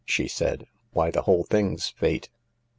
" she said. " Why, the whole thing's Fate.